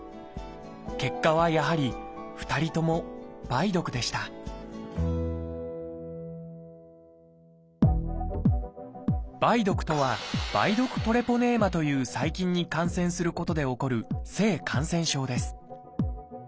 結果はやはり２人とも「梅毒」でした「梅毒」とは「梅毒トレポネーマ」という細菌に感染することで起こる性感染症です。